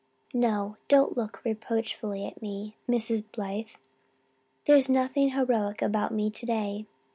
No, don't look reproachfully at me, Mrs. Blythe. There's nothing heroic about me today.